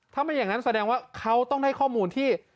ถ้าไม่อย่างนั้นแสดงว่าเขาต้องให้ข้อมูลที่